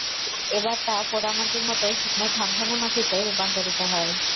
এবার তা পোড়া মাটির মত শুকনো ঠনঠনে মাটিতে রূপান্তরিত হয়।